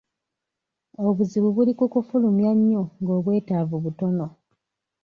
Obuzibu buli ku kufulumya nnyo ng'obwetaavu butono.